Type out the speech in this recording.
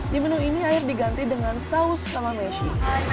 di menu ini air diganti dengan saus kamamesi